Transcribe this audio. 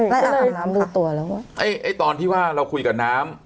ได้อาบน้ำดูตัวแล้วเอ๊ยตอนที่ว่าเราคุยกับน้ำ